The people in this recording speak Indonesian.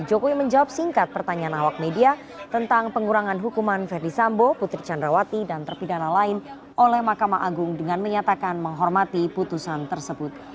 jokowi menjawab singkat pertanyaan awak media tentang pengurangan hukuman verdi sambo putri candrawati dan terpidana lain oleh mahkamah agung dengan menyatakan menghormati putusan tersebut